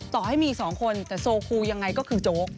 ต่อให้มี๒คนแต่โซคูยังไงก็คือโจ๊ก